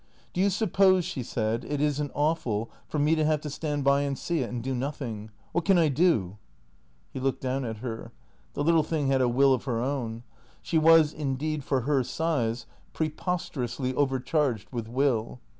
" Do you suppose," she said, " it is n't awful for me to have to stand by and see it, and do nothing ? AVhat can I do ?" He looked down at her. The little thing had a will of her own; she was indeed, for her size, preposterously over charged with will.